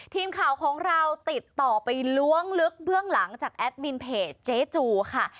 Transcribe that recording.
ทีมข่าวของเราติดต่อไปล้วงลึกเบื้องหลังจากแอดมินเพจเจ๊จูค่ะ